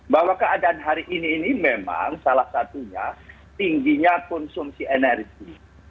bahwa keadaan hari ini ini memang salah satunya tingginya konsumsi energi